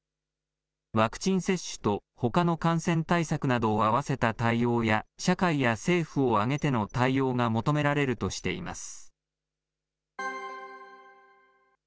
ワクチン接種とほかの感染対策などを合わせた対応や社会や政府を挙げての対応が求められるとしています。